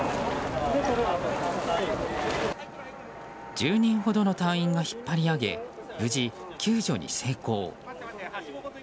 １０人ほどの隊員が引っ張り上げ無事、救助に成功。